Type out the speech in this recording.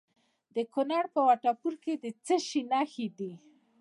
د کونړ په وټه پور کې د څه شي نښې دي؟